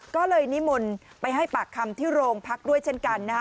ก็เลยนิมนต์ไปให้ปากคำที่โรงพักด้วยเช่นกันนะฮะ